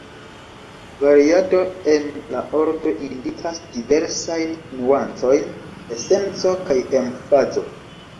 Variado en la ordo indikas diversajn nuancojn de senco kaj emfazo.